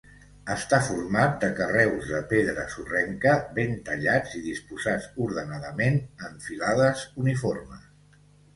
Està format de carreus de pedra sorrenca, ben tallats i disposats ordenadament en filades uniformes.